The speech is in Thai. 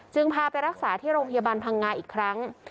พาไปรักษาที่โรงพยาบาลพังงาอีกครั้ง